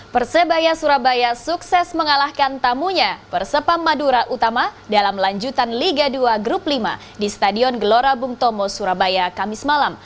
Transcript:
persebaya surabaya sukses mengalahkan tamunya persepam madura utama dalam lanjutan liga dua grup lima di stadion gelora bung tomo surabaya kamis malam